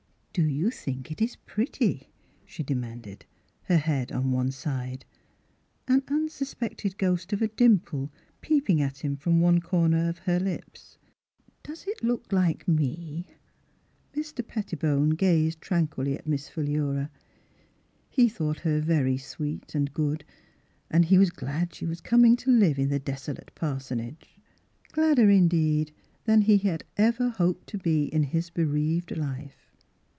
" Do you think it is pretty ?" she de manded, her head on one side, an unsus pected ghost of a dimple peeping at him from one comer of her lips. " Does it look like me? " Mr. Pettibone gazed tranquilly at Miss Philura. He thought her very sweet and Mus Fhilura's Wedding Gown good, and he was glad she was coming to live in the desolate parsonage. Gladder, indeed, than he had ever hoped to be in his bereaved life.